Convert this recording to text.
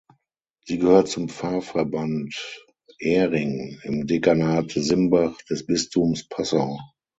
Sie gehört zum Pfarrverband Ering im Dekanat Simbach des Bistums Passau.